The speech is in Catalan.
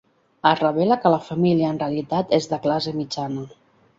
Es revela que la família en realitat és de classe mitjana.